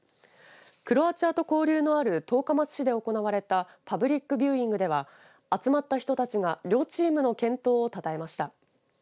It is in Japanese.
クロアチアと交流のある十日町で行われたパブリック・ビューイングでは集まった人たちが両チームの健闘をたたえました。